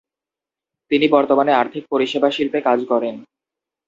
তিনি বর্তমানে আর্থিক পরিষেবা শিল্পে কাজ করেন।